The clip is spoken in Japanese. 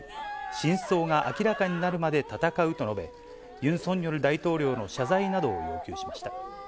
真相が明らかになるまで戦うと述べ、ユン・ソンニョル大統領の謝罪などを要求しました。